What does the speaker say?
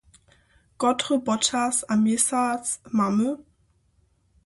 Kotry počas a měsac mamy?